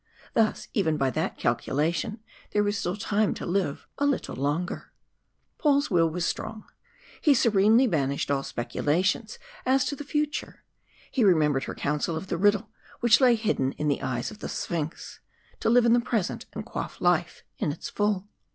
Thus, even by that calculation, there was still time to live a little longer. Paul's will was strong. He sternly banished all speculations as to the future. He remembered her counsel of the riddle which lay hidden in the eyes of the Sphinx to live in the present and quaff life in its full.